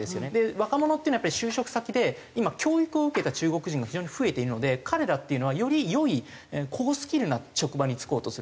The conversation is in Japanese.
若者っていうのはやっぱり就職先で今教育を受けた中国人が非常に増えているので彼らっていうのはより良い高スキルな職場に就こうとする。